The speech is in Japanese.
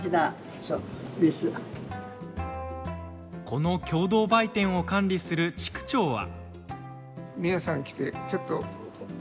この共同売店を管理する地区長は。